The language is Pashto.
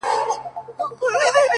• د خټین او د واورین سړک پر غاړه,!